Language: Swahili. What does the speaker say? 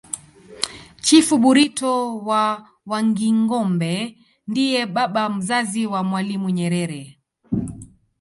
chifu burito wa wangingombe ndiye baba mzazi wa mwalimu nyerere